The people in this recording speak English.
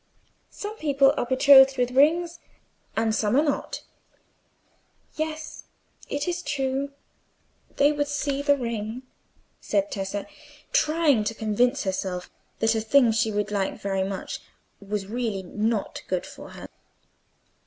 Some people are betrothed with rings and some are not." "Yes, it is true, they would see the ring," said Tessa, trying to convince herself that a thing she would like very much was really not good for her.